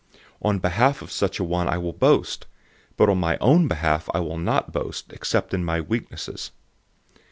012:005 On behalf of such a one I will boast, but on my own behalf I will not boast, except in my weaknesses.